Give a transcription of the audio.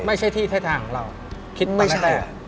ไม่ใช่ที่ไทยทางของเราคิดตอนในไทย